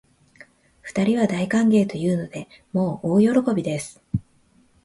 二人は大歓迎というので、もう大喜びです